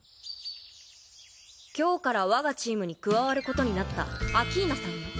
今日から我がチームに加わる事になったア・キーナさんよ。